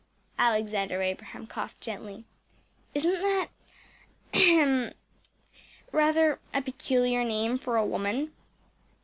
Alexander Abraham coughed gently. “Isn’t that ahem! rather a peculiar name for a woman?